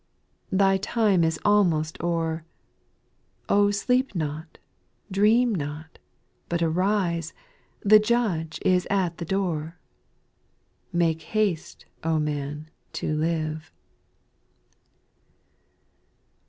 Thy time is almost o'er ; sleep not, dream not, but arise, The Judge is at the door. * Make haste, O man, to live